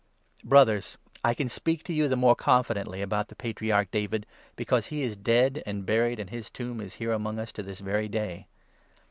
Brothers, I can speak to you the more confidently about the 29 Patriarch David, because he is dead and buried, and his tomb is here among us to this very day.